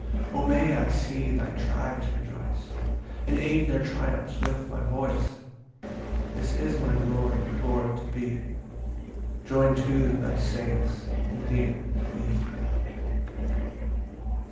4 O may I see thy tribes rejoice, And aid their triumphs with my voice! This is my glory, Lord, to be Join'd to thy saints, and near to thee.